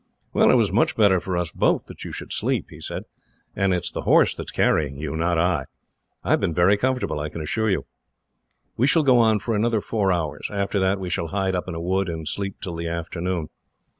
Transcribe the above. "Well, it was much better for us both that you should sleep," he said, "and it is the horse that is carrying you, not I. I have been very comfortable, I can assure you. "We shall go on for another four hours. After that we shall hide up in a wood, and sleep till the afternoon.